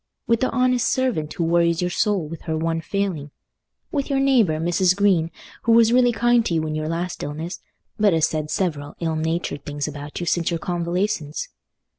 With the honest servant who worries your soul with her one failing? With your neighbour, Mrs. Green, who was really kind to you in your last illness, but has said several ill natured things about you since your convalescence?